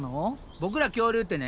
ボクら恐竜ってね